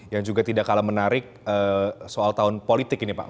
yang juga tidak kalah menarik soal tahun politik ini pak